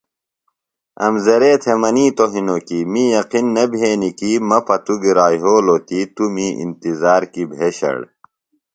امزرے تھےۡ منیتوۡ ہِنوۡ کیۡ می یقِن نہ بھینیۡ کیۡ مہ پتوۡ گرا یھولوۡ تی توۡ می انتظار کیۡ بھیشڑ